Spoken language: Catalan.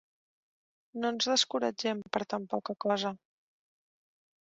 No ens descoratgem per tan poca cosa.